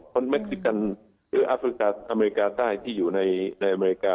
เม็กซิกันหรืออัฟริกาอเมริกาใต้ที่อยู่ในอเมริกา